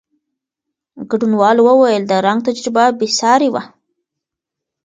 ګډونوالو وویل، د رنګ تجربه بېساري وه.